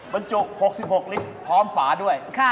บรรจุ๖๖ลิตรพร้อมฝาด้วย